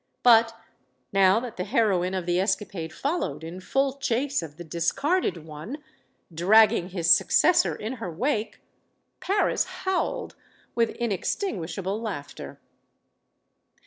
But now that the heroine of the escapade followed in full chase of the discarded one, dragging his successor in her wake, Paris howled with inextinguishable laughter.